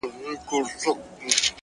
• تبر ځکه زما سینې ته را رسیږي,